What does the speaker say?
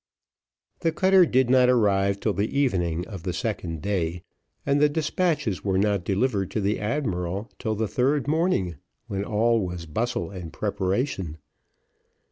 The cutter did not arrive till the evening of the second day, and the despatches were not delivered to the admiral till the third morning, when all was bustle and preparation.